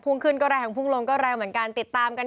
พุ่งขึ้นก็แรงพุ่งลงก็แรงเหมือนกัน